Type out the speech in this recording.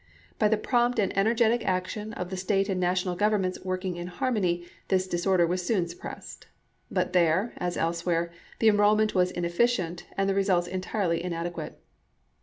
By the prompt and energetic action of the State and National governments working in harmony, this disorder was soon suppressed. But there, as elsewhere, the enrollment was inefficient and the results entirely inadequate.